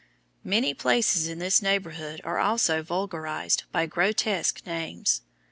Many places in this neighborhood are also vulgarized by grotesque names.